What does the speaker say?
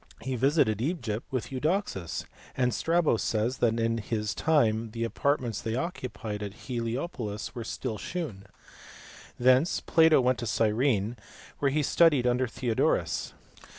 He visited Egypt with Eudoxus, and Strabo says that in his time the apartments they occupied at Heliopolis were still shewn. Thence Plato went to Gyrene, where he studied under Theodorus.